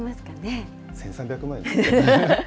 １３００万円ですからね。